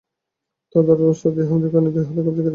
তারা ধারালো অস্ত্র দিয়ে হামিদুল খানের দুই হাতের কবজি কেটে নেয়।